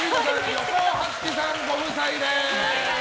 横尾初喜さんご夫妻です！